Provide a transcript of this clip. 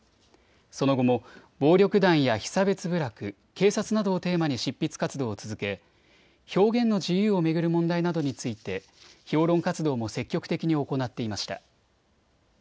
その後も暴力団や被差別部落、警察などをテーマに執筆活動を続け、表現の自由を巡る問題などについて評論活動も積極的に行っていました。